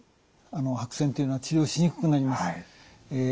白癬っていうのは治療しにくくなります。